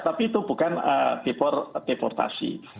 tapi itu bukan deportasi